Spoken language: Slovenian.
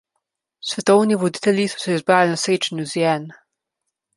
Svetovni voditelji so se zbrali na srečanju ZN.